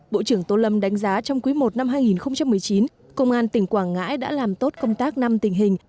bộ trưởng tô lâm đánh giá trong quý i năm hai nghìn một mươi chín công an tỉnh quảng ngãi đã làm tốt công tác năm tình hình